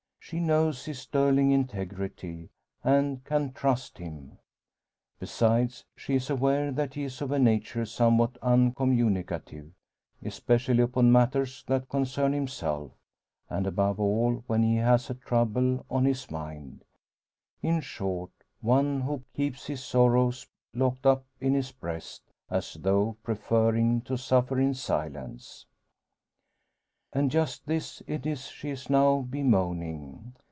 She knows his sterling integrity, and can trust him. Besides, she is aware that he is of a nature somewhat uncommunicative, especially upon matters that concern himself, and above all when he has a trouble on his mind in short, one who keeps his sorrows locked up in his breast, as though preferring to suffer in silence. And just this it is she is now bemoaning.